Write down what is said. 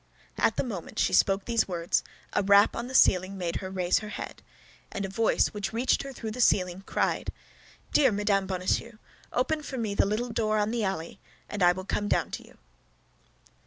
At the moment she spoke these words a rap on the ceiling made her raise her head, and a voice which reached her through the ceiling cried, "Dear Madame Bonacieux, open for me the little door on the alley, and I will come down to you."